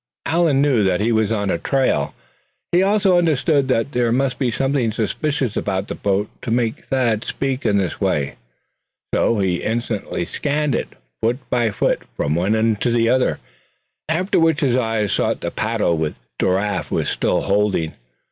Allan knew that he was on trial. He also understood that there must be something suspicious about the boat to make Thad speak in this way. So he instantly scanned it, foot by foot, from one end to the other; after which his eyes sought the paddle which Giraffe was still handling.